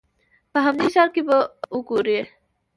په همدې ښار کې به وګورې.